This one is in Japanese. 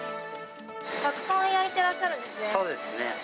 たくさん焼いてらっしゃるんそうですね。